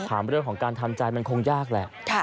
ถามเรื่องของการทำใจมันคงยากแหละ